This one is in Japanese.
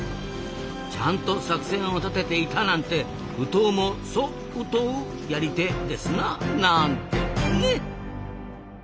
ちゃんと作戦を立てていたなんてウトウもそウトウやり手ですな。なんてね！